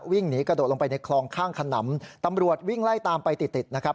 วิ่งหนีกระโดดลงไปในคลองข้างขนำตำรวจวิ่งไล่ตามไปติดติดนะครับ